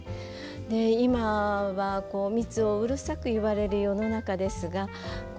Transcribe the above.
今は「密」をうるさく言われる世の中ですが。